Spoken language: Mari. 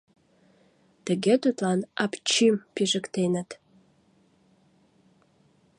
Тыге тудлан «апчим» пижыктеныт.